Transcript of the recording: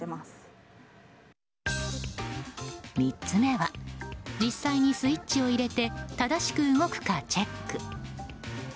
３つ目は実際に、スイッチを入れて正しく動くかチェック。